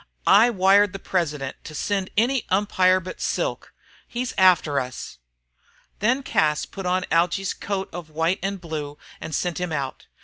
"I wired the president to send any umpire but Silk. He's after us!" Then Cas put on Algy's coat of white and blue and sent him out.